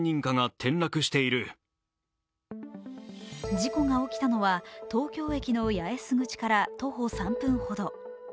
事故が起きたのは東京駅の八重洲口から徒歩３分ほど。